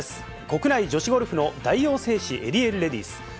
国内女子ゴルフの大王製紙エリエールレディス。